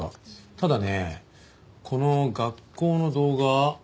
ただねこの学校の動画